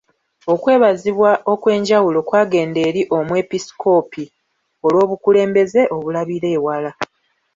Okwebazibwa okw'enjawulo kwagenda eri Omwepiskoopi olw'obukulembeze obulabira ewala.